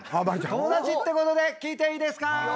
友達ってことで聞いていいですか？